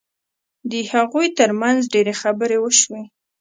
د هغوی ترمنځ ډېرې خبرې وشوې